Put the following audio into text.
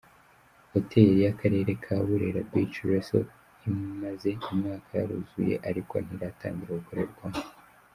Hoteli y’ akarere ka “Burera Beach resort” imaze umwaka yaruzuye ariko ntiratangira gukorerwamo.